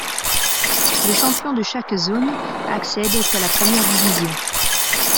Les champions de chaque zone accèdent à la première division.